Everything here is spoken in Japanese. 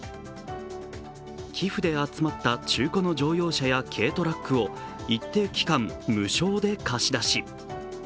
寄付で集まった中古の乗用車や軽トラックを一定期間、無償で貸し出し。